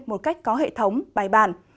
một cách có hệ thống bài bàn